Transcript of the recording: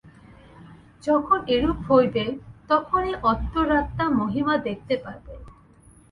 যখন এরূপ হইবে, তখনই অন্তরাত্মা মহিমা দেখিতে পাইবে।